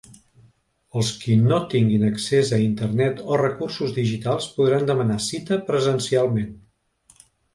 Els qui no tinguin accés a internet o recursos digitals podran demanar cita presencialment.